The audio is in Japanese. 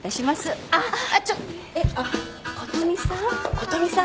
琴美さん？